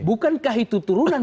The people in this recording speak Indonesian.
bukankah itu turunan